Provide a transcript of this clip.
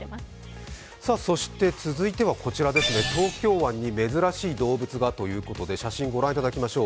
続いては、東京湾に珍しい動物がということで写真をご覧いただきましょう。